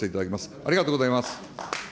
ありがとうございます。